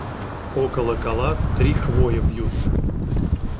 Около кола три хвоя вьются.